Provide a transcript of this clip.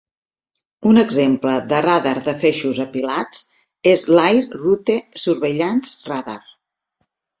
Un exemple de radar de feixos apilats és l'Air Route Surveillance Radar.